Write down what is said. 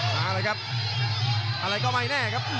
มาเลยครับอะไรก็ไม่แน่ครับ